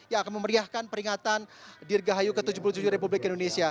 yang akan memeriahkan peringatan dirgahayu ke tujuh puluh tujuh republik indonesia